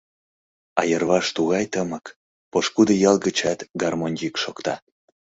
А йырваш тугай тымык, пошкудо ял гычат гармонь йӱк шокта.